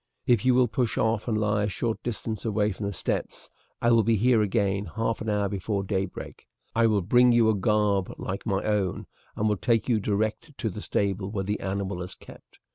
If you will push off and lie a short distance away from the steps I will be here again half an hour before daybreak. I will bring you a garb like my own, and will take you direct to the stable where the animal is kept.